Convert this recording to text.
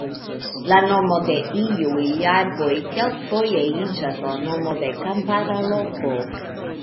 La nomo de iuj arboj kelkfoje iĝas la nomo de kampara loko.